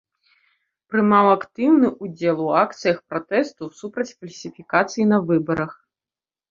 Прымаў актыўны ўдзел у акцыях пратэсту супраць фальсіфікацый на выбарах.